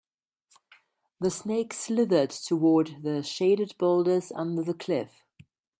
The snake slithered toward the shaded boulders under the cliff.